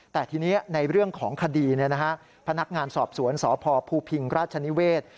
แต่ทีนี้ในเรื่องของคดีพนักงานสอบสวนสพภูพิงราชนิเวศ